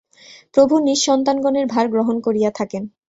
প্রভু নিজ সন্তানগণের ভার গ্রহণ করিয়া থাকেন।